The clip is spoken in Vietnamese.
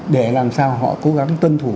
để làm sao họ cố gắng tuân thủ